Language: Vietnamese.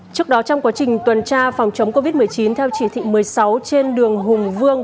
trước đó trong quá trình tuần tra phòng chống covid một mươi chín theo chỉ thị một mươi sáu trên đường hùng vương